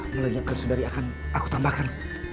melayangkan sundari akan aku tambahkan